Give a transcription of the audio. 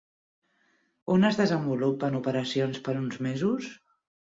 On es desenvolupen operacions per uns mesos?